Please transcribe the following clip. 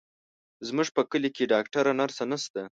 زموږ په کلي کې ډاکتره، نرسه نشته،